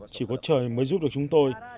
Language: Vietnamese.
chỉ có trời mới giúp được chúng tôi